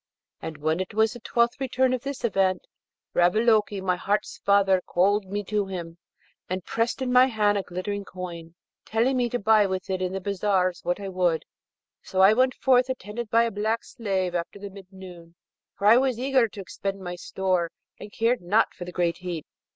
When it was the twelfth return of this event, Ravaloke, my heart's father, called me to him and pressed in my hand a glittering coin, telling me to buy with it in the bazaars what I would. So I went forth, attended by a black slave, after the mid noon, for I was eager to expend my store, and cared not for the great heat.